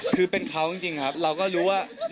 คือเป็นเขาจริงครับเราก็รู้ว่า